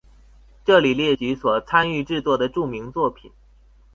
这里列举所参与制作的著名作品。